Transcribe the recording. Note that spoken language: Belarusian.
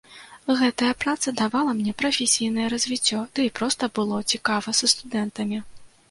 Гэтая праца давала мне прафесійнае развіццё, ды і проста было цікава са студэнтамі!